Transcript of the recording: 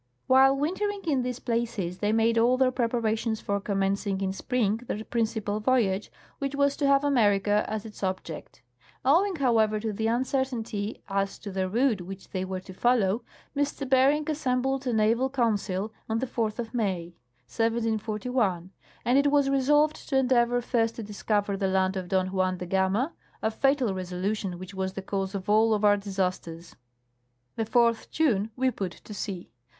While wintering in these places, they made all their preparations for commenc ing in spring their principal voyage, which was to have America as its object. Owing, however, to the uncertainty as to the route which they were to follow, M. Bering assembled a naval council on the 4th of May, 1741, and it was resolved to endeavor first to discover the land of Don Juan de Gama, a fatal resolution which was the cause of all of our disasters. The 4th June we put to sea.